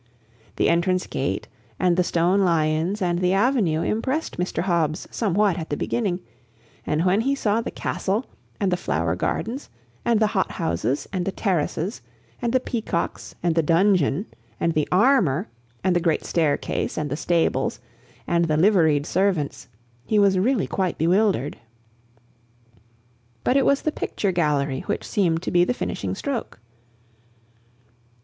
The entrance gate and the stone lions and the avenue impressed Mr. Hobbs somewhat at the beginning, and when he saw the Castle, and the flower gardens, and the hot houses, and the terraces, and the peacocks, and the dungeon, and the armor, and the great staircase, and the stables, and the liveried servants, he really was quite bewildered. But it was the picture gallery which seemed to be the finishing stroke.